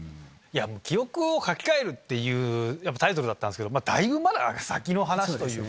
記憶を書き換えるっていうタイトルだったんですけどだいぶまだ先の話というか。